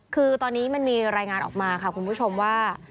คือตอนนี้มันมีรายงานออกมาค่ะคุณผู้ชมว่า